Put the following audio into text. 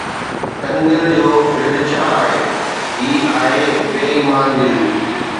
تنگ دل جو رڍ ڇا آهي، هي آهي بي ايمان دل